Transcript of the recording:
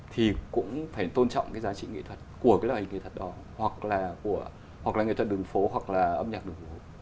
thì cũng phải tôn trọng cái giá trị nghệ thuật của cái loại hình nghệ thuật đó hoặc là nghệ thuật đường phố hoặc là âm nhạc đường phố